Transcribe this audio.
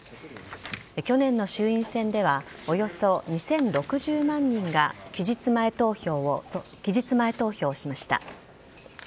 去年の衆院選ではおよそ２０６０万人が期日前投票しました。